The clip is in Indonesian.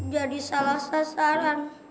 jadi salah sasaran